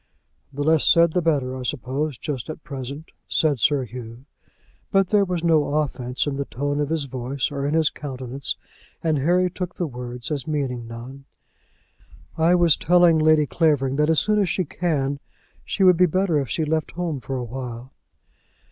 "The less said the better, I suppose, just at present," said Sir Hugh. But there was no offence in the tone of his voice, or in his countenance, and Harry took the words as meaning none. "I was telling Lady Clavering that as soon as she can, she would be better if she left home for awhile."